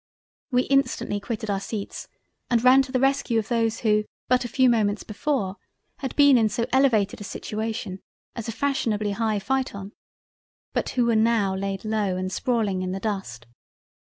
We instantly quitted our seats and ran to the rescue of those who but a few moments before had been in so elevated a situation as a fashionably high Phaeton, but who were now laid low and sprawling in the Dust.